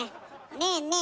ねえねえ